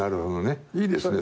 いいですね